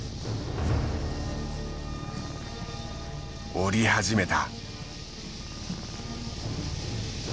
降り始めた。